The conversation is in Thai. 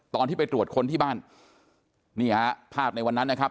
ตอนที่ไปตรวจคนที่บ้านนี่ฮะภาพในวันนั้นนะครับ